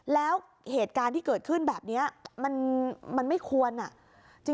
แล้วเหตุการณ์ที่เกิดขึ้นแบบนี้มันไม่ควรอ่ะ